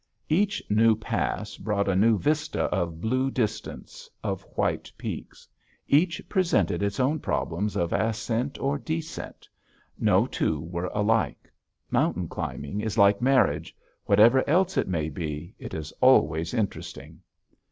Each new pass brought a new vista of blue distance, of white peaks. Each presented its own problems of ascent or descent. No two were alike. Mountain climbing is like marriage. Whatever else it may be, it is always interesting.